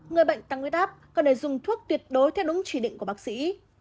người bệnh tăng huyết áp cần để dùng thuốc tuyệt đối theo đúng chỉ định của bác sĩ